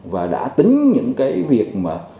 và đã tính những cái việc mà